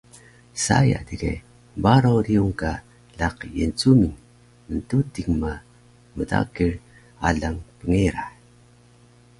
saya digeh hbaro riyung ka laqi Yencuming mntuting ma mdakil alang pngerah